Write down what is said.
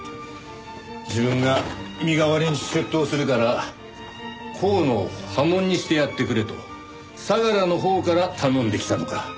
自分が身代わりに出頭するから河野を破門にしてやってくれと相良のほうから頼んできたのか。